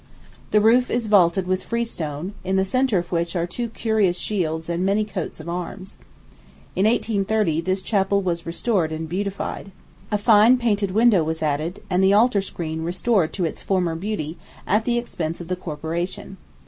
The roof is vaulted with freestone, in the centre of which are two curious shields and many coats of arms. In 1830, this chapel was restored and beautified. A fine painted window was added, and the altar screen restored to its former beauty, at the expense of the corporation.